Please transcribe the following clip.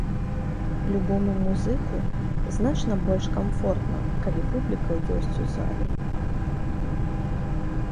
Любому музыку значна больш камфортна, калі публіка ёсць у зале.